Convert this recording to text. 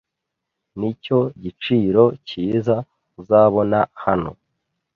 Nicyo giciro cyiza uzabona hano.